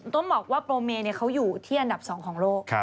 ต้องบอกว่าโปรเมเขาอยู่ที่อันดับ๒ของโลก